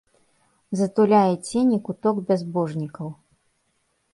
Затуляе цені куток бязбожнікаў.